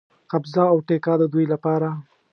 قبضه او ټیکه د دوی لپاره.